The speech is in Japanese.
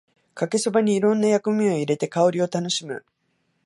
かけそばにいろんな薬味を入れて香りを楽しむ